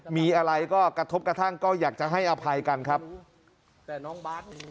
มีอะไรก็กระทบกระทั่งก็อยากจะให้อภัยกันครับ